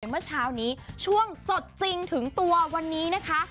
เมื่อเช้านี้ช่วงสดจริงถึงตัววันนี้นะคะ